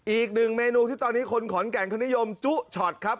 อีกหนึ่งเมนูที่ตอนนี้คนขอนแก่นเขานิยมจุช็อตครับ